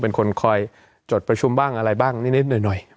เป็นคนคอยจดประชุมบ้างอะไรบ้างนิดหน่อย